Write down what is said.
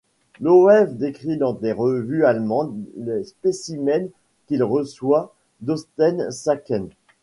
Loew décrit dans des revues allemandes les spécimens qu’il reçoit d’Osten-Sacken.